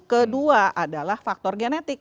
kedua adalah faktor genetik